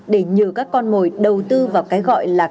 để nhờ các con mồi đầu tư vào cái gọi là